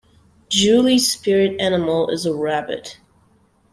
Julie's spirit animal is a rabbit.